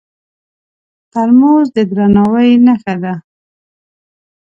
ترموز د درناوي نښه ده.